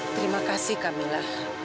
terima kasih kamila